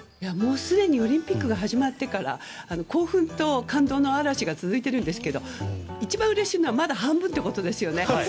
もうすでにオリンピックが始まってから興奮と感動の嵐が続いているんですけど一番うれしいのはまだ半分ってことですよね。